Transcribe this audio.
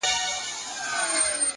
پوهه له لټون سره پراخیږي.